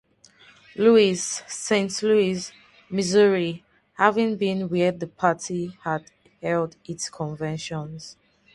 Louis, Saint Louis, Missouri, having been where the party had held its conventions.